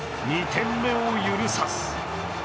２点目を許さず。